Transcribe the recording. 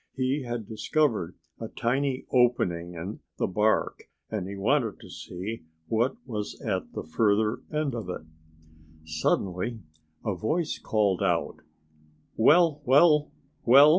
He had discovered a tiny opening in the bark and he wanted to see what was at the further end of it. Suddenly a voice called out, "Well, well, well!